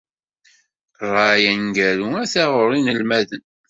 Rray aneggaru ata ɣur inelmaden.